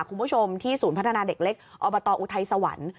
คุณผู้ชมที่ศูนย์พัฒนาเด็กเล็กอบตอุทัยสวรรค์